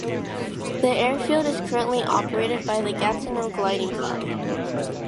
The airfield is currently operated by the Gatineau Gliding Club.